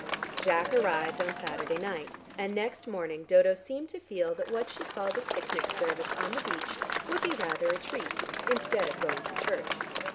Jack arrived on Saturday night, and next morning Dodo seemed to feel that what she called a "picnic service" on the beach would be rather a treat instead of going to church.